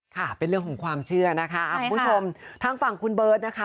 ค่ะเป็นเรื่องของความเชื่อนะคะคุณผู้ชมทางฝั่งคุณเบิร์ตนะคะ